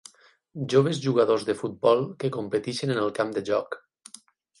Joves jugadors de futbol que competeixen en el camp de joc.